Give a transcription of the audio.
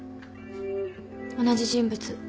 同じ人物。